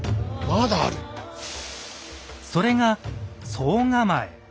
それが「総構」。